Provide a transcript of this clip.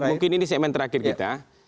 mungkin ini segmen terakhir kita